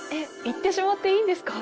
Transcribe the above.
言ってしまっていいんですか？